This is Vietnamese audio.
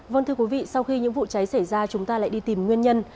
vâng thưa quý vị sau khi những vụ cháy xảy ra chúng ta lại đi tìm nguyên nhân